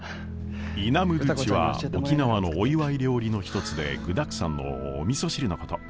イナムドゥチは沖縄のお祝い料理の一つで具だくさんのおみそ汁のこと。